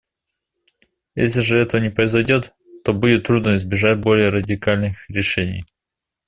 Если же этого не произойдет, то будет трудно избежать более радикальных решений.